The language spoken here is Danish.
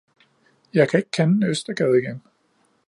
jeg kan ikke kende Østergade igen!